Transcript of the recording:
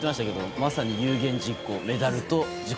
まさに有言実行メダルと自己